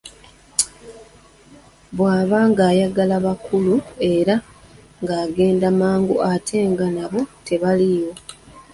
Bwaba ng'ayagala bakulu era ng'agenda mangu ate nga nabo tebaliwo.